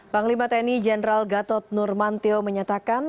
panglima tni jenderal gatot nurmantio menyatakan